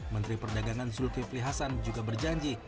menteri perdagangan zulkifli hasan juga berjanji